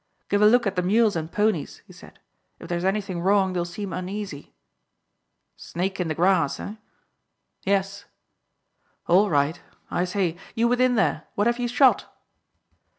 "Give a look at the mules and ponies," he said. "If there's anything wrong they'll seem uneasy." "Snake in the grass, eh?" "Yes." "All right. I say, you within there, what have you shot?"